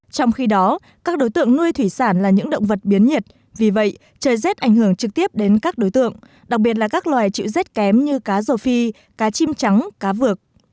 trong khi đó các đối tượng nuôi thủy sản là những động vật biến nhiệt vì vậy trời rét ảnh hưởng trực tiếp đến các đối tượng đặc biệt là các loài chịu rét kém như cá rổ phi cá chim trắng cá vược